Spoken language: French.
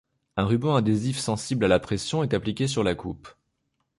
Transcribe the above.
Un ruban adhésif sensible à la pression est appliqué sur la coupe.